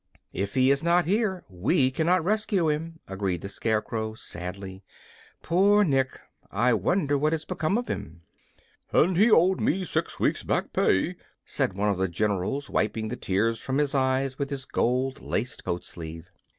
"If he is not here, we cannot rescue him," agreed the Scarecrow, sadly. "Poor Nick! I wonder what has become of him." "And he owed me six weeks back pay!" said one of the generals, wiping the tears from his eyes with his gold laced coat sleeve.